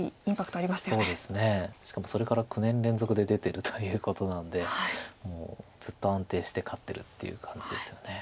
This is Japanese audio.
しかもそれから９年連続で出てるということなんでもうずっと安定して勝ってるっていう感じですよね。